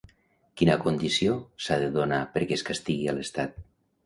Quina condició s'ha de donar perquè es castigui a l'estat?